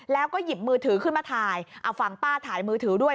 แล้วก็หยิบมือถือขึ้นมาถ่ายเอาฟังป้าถ่ายมือถือด้วย